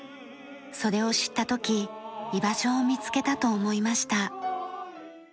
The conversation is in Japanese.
それを知った時居場所を見つけたと思いました。